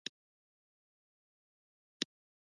بالاخره احمدضیاء روان په خپل کمپیوټر کې له سره مکتوب ولیکه.